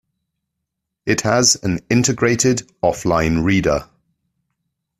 It has an integrated offline reader.